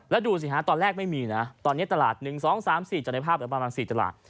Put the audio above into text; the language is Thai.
แล้วดูสิฮะตอนแรกไม่มีนะตอนนี้ตลาด๑๒๓๔จากในภาพประมาณ๔ตลาด